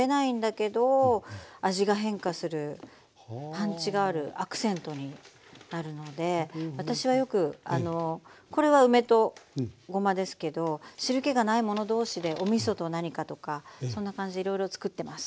パンチがあるアクセントになるので私はよくこれは梅とごまですけど汁けがないもの同士でおみそと何かとかそんな感じでいろいろつくってます。